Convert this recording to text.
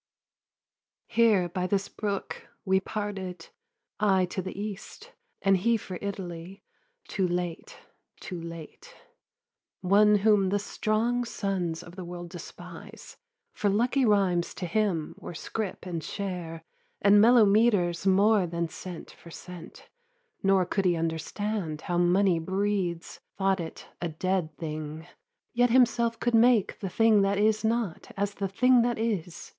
'Here, by this brook, we parted; I to the East And he for Italy too late too late: One whom the strong sons of the world despise; For lucky rhymes to him were scrip and share, And mellow metres more than cent for cent; Nor could he understand how money breeds, Thought it a dead thing; yet himself could make The thing that is not as the thing that is.